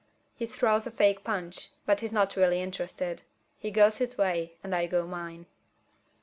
He throws a fake punch, but he's not really interested. He goes his way, and I go mine.